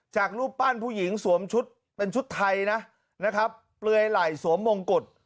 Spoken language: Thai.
รูปปั้นผู้หญิงสวมชุดเป็นชุดไทยนะนะครับเปลือยไหล่สวมมงกุฎ